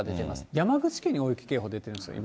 山口県に大雪警報が出てるんですよ、今。